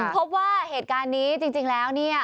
พบว่าเหตุการณ์นี้จริงแล้วเนี่ย